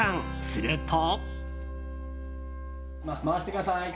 すると。